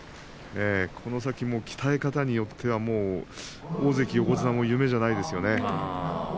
この先も鍛え方によっては大関、横綱も夢じゃないですよね。